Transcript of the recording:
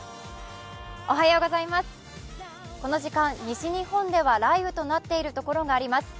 この時間、西日本では雷雨となっているところがあります。